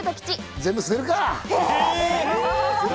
全部捨てるか！